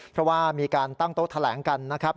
เพราะว่ามีการตั้งโต๊ะแถลงกันนะครับ